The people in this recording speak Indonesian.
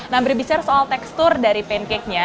nah berbicara soal tekstur dari pancake nya